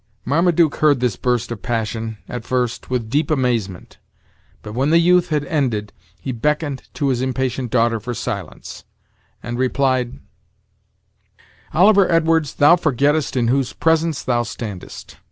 Marmaduke heard this burst of passion, at first, with deep amazement; but when the youth had ended, he beckoned to his impatient daughter for silence, and replied: "Oliver Edwards, thou forgettest in whose presence thou standest.